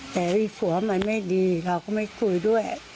แต่ไอ้ผัวมันไม่ดีเราก็ไม่คุยด้วย